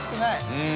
うん。